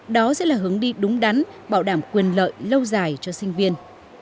đó sẽ là hướng đi đúng đắn bảo đảm quyền lợi lâu dài cho sinh viên